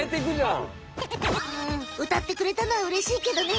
んうたってくれたのはうれしいけどね！